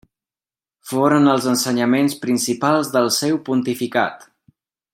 Foren els ensenyaments principals del seu pontificat.